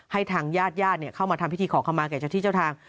ทางญาติญาติเข้ามาทำพิธีขอขมาแก่เจ้าที่เจ้าทาง